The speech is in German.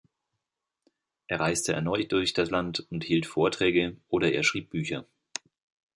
Er reiste erneut durch das Land und hielt Vorträge, oder er schrieb Bücher.